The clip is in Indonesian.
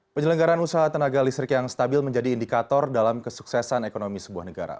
penyelenggaran usaha tenaga listrik yang stabil menjadi indikator dalam kesuksesan ekonomi sebuah negara